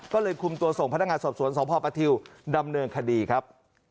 ก็เลยคุมตัวส่งพนักงานสอบสวนสพปทิวดำเนินคดีครับ